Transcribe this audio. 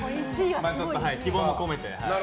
希望も込めて。